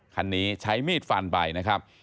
คันนี้ใช้มีดฟันไปนะครับ